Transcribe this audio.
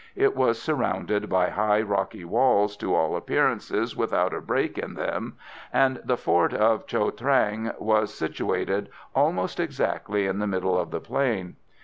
It was surrounded by high rocky walls, to all appearance without a break in them, and the fort of Cho Trang was situated almost exactly in the middle of the plain.